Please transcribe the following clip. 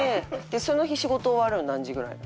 でその日仕事終わるの何時ぐらい？